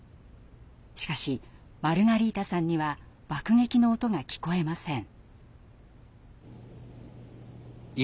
しかしマルガリータさんには爆撃の音が聞こえません。